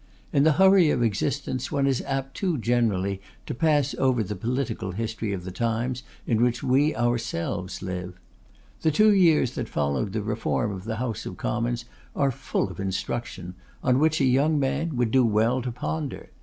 In the hurry of existence one is apt too generally to pass over the political history of the times in which we ourselves live. The two years that followed the Reform of the House of Commons are full of instruction, on which a young man would do well to ponder.